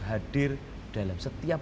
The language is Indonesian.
hadir dalam setiap